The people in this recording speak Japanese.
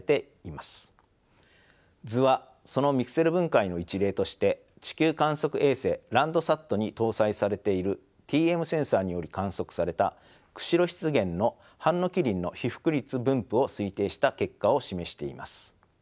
図はそのミクセル分解の一例として地球観測衛星Ｌａｎｄｓａｔに搭載されているＴＭセンサにより観測された釧路湿原のハンノキ林の被覆率分布を推定した結果を示しています。